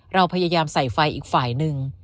เราพยายามใส่ไฟอีกฝ่ายหนึ่ง